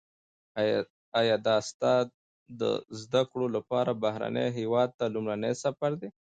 ایا دا ستا د زده کړو لپاره بهرني هیواد ته لومړنی سفر دی؟